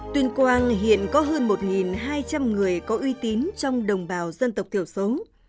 tuyên quang hiện có hơn một hai trăm linh người có uy tín trong đồng bào dân tộc thiểu số